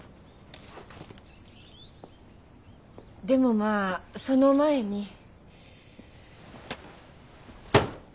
でもまあその前に。